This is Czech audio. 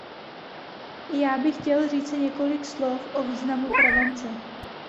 I já bych chtěl říci několik slov o významu prevence.